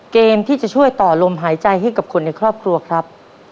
เกมที่จะช่วยต่อลมหายใจให้กับคนในครอบครัวครับ